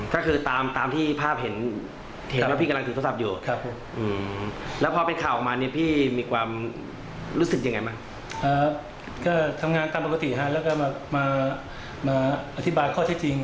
พูดมาข้อใช้จริงให้ภูมิความประชาสัก